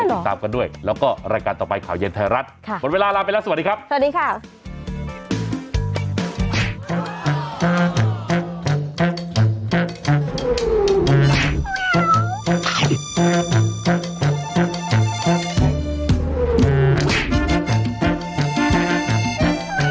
ติดตามกันด้วยแล้วก็รายการต่อไปข่าวเย็นไทยรัฐหมดเวลาลาไปแล้วสวัสดีครับสวัสดีค่ะ